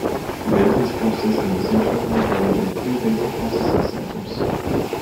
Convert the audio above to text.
The data is processed in the centralized way in a few data processing centres.